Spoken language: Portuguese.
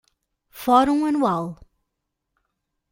Fórum Anual